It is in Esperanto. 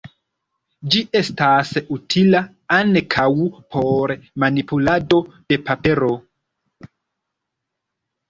Ĝi estas utila ankaŭ por manipulado de papero.